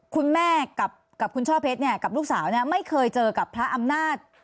คุณแม่กับคุณช่อเพชรกับลูกสาวไม่เคยเจอกับพระอำนาจ